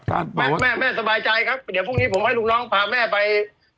แม่แม่สบายใจครับเดี๋ยวพรุ่งนี้ผมให้ลูกน้องพาแม่ไป